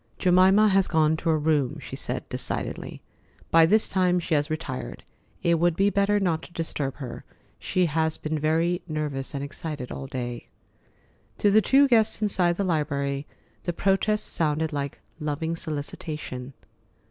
"Jemima has gone to her room," she said decidedly. "By this time she has retired. It would be better not to disturb her. She has been very nervous and excited all day." To the two guests inside the library, the protest sounded like loving solicitation.